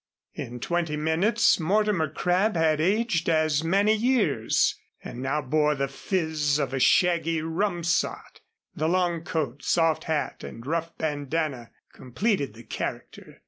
In twenty minutes Mortimer Crabb had aged as many years, and now bore the phiz of a shaggy rum sot. The long coat, soft hat and rough bandanna completed the character.